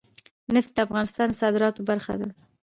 نفت د افغانستان د صادراتو برخه ده.